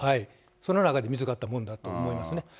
その中で見つかったものだと思いますね。